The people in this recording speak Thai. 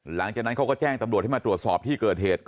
หลังจากนั้นเขาก็แจ้งตำรวจให้มาตรวจสอบที่เกิดเหตุ